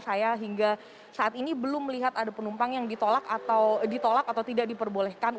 saya hingga saat ini belum melihat ada penumpang yang ditolak atau ditolak atau tidak diperbolehkan